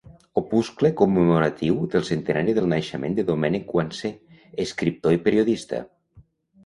Opuscle commemoratiu del centenari del naixement de Domènec Guansé, escriptor i periodista.